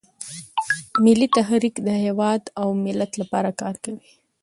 ملي تحریک د هیواد او ملت لپاره کار کوي